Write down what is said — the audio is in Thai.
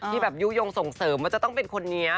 แบบยุโยงส่งเสริมว่าจะต้องเป็นคนนี้